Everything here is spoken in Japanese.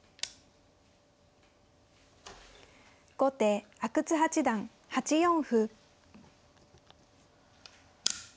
後手阿久津八段８四歩。